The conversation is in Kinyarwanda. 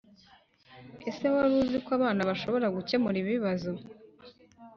Ese wari uzi ko abana bashobora gukemure ibibazo?